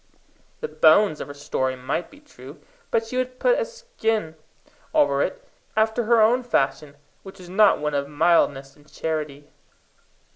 The bones of her story might be true, but she would put a skin over it after her own fashion, which was not one of mildness and charity.